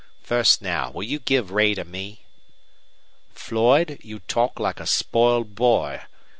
First now, will you give Ray to me?" "Floyd; you talk like a spoiled boy.